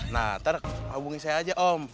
nah ntar hubungi saya aja om